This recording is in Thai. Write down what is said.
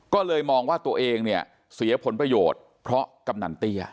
ก็เลยมองว่าตัวเองเนี่ยเสียผลประโยชน์เพราะกำนันเตี้ย